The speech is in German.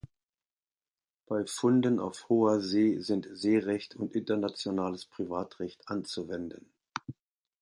Bei Funden auf hoher See sind Seerecht und Internationales Privatrecht anzuwenden.